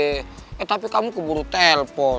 eh tapi kamu keburu telpon